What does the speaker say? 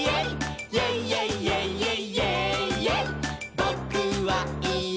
「ぼ・く・は・い・え！